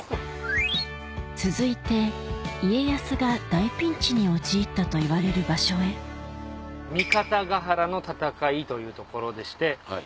続いて家康が大ピンチに陥ったといわれる場所へ三方ヶ原の戦いというところでして。